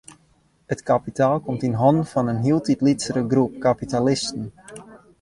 It kapitaal komt yn hannen fan in hieltyd lytsere groep kapitalisten.